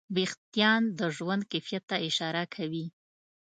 وېښتيان د ژوند کیفیت ته اشاره کوي.